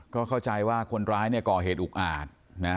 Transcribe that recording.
ก็เข้าใจว่าคนร้ายเนี่ยก่อเหตุอุกอาจนะ